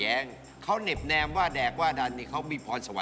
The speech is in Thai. อันนี่คำชมใช่มั้ยครับ